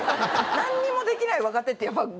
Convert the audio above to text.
何にもできない若手ってやっぱ。